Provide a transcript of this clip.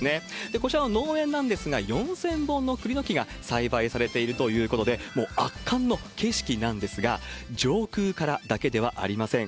こちらの農園なんですが、４０００本の栗の木が栽培されているということで、もう圧巻の景色なんですが、上空からだけではありません。